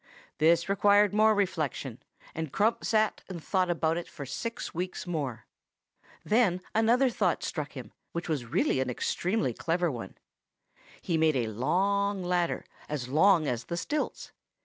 This required more reflection, and Crump sat and thought about it for six weeks more. Then another thought struck him, which was really an extremely clever one. He made a long ladder, as long as the stilts.